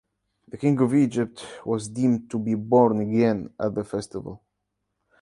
The king of Egypt was deemed to be born again at the festival.